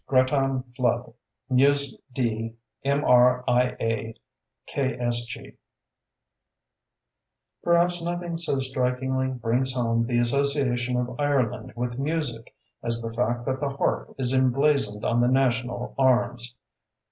GRATTAN FLOOD, Mus. D., M.R.I.A., K.S.G. Perhaps nothing so strikingly brings home the association of Ireland with music as the fact that the harp is emblazoned on the national arms.